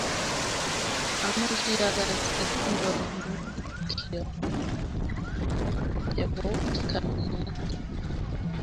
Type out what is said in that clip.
Amuchi akas atindonikyok chebo chamnyet